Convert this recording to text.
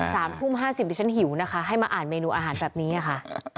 สามทุ่มห้าสิบดิฉันหิวนะคะให้มาอ่านเมนูอาหารแบบนี้ค่ะ